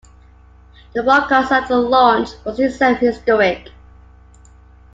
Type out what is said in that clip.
The broadcast of the launch was itself historic.